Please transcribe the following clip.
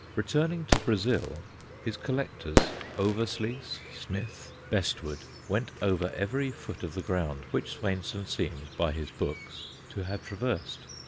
Returning to Brazil, his collectors, Oversluys, Smith, Bestwood, went over every foot of the ground which Swainson seems, by his books, to have traversed.